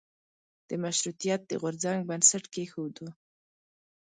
د مشروطیت د غورځنګ بنسټ کېښودیو.